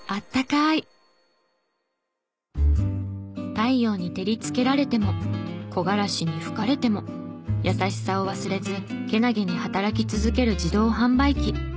太陽に照りつけられても木枯らしに吹かれても優しさを忘れずけなげに働き続ける自動販売機。